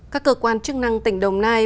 các cơ quan chức năng tỉnh đồng nai